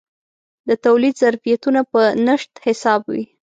د تولید ظرفیتونه په نشت حساب وي.